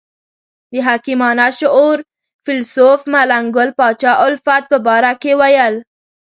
د حکیمانه شعور فیلسوف ملنګ ګل پاچا الفت په باره کې ویل.